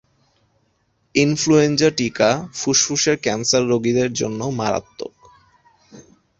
Influenza টিকা ফুসফুসের cancer রোগীদের জন্য মারাত্মক।